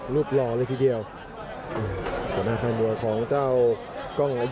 รูปร้องเลยทีเดียวหน้าข้ายมวยของเจ้ากล้องใหญ่